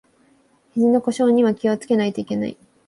ひじの故障には気をつけないといけない